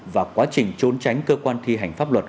và quá trình trốn tránh cơ quan thi hành pháp luật